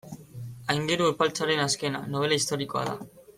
Aingeru Epaltzaren azkena, nobela historikoa da.